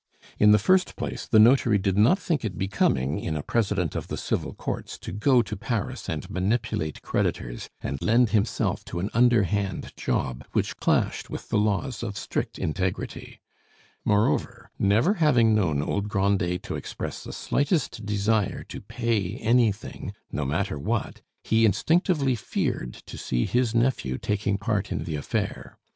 In the first place, the notary did not think it becoming in a president of the Civil courts to go to Paris and manipulate creditors and lend himself to an underhand job which clashed with the laws of strict integrity; moreover, never having known old Grandet to express the slightest desire to pay anything, no matter what, he instinctively feared to see his nephew taking part in the affair.